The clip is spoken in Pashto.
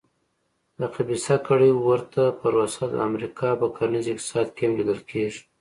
د خبیثه کړۍ ورته پروسه د امریکا په کرنیز اقتصاد کې هم لیدل کېږي.